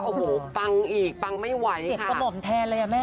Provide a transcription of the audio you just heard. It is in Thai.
โอ้โหปังอีกปังไม่ไหวเจ็บกระหม่อมแทนเลยอ่ะแม่